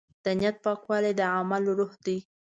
د نیت پاکوالی د عمل روح دی.